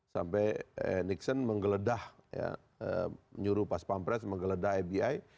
sampai nixon menggeledah nyuruh pas pampres menggeledah abi